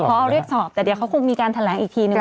พอเอาเรียกสอบแต่เดี๋ยวเขาคงมีการแถลงอีกทีนึง